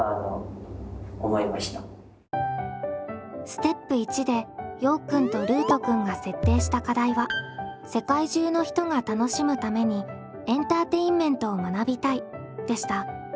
ステップ１でようくんとルートくんが設定した課題は「世界中の人が楽しむためにエンターテインメントを学びたい」でした。